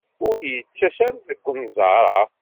Ur d-yettas ara deg unẓar-a.